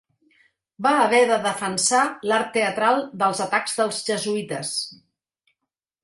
Va haver de defensar l'art teatral dels atacs dels jesuïtes.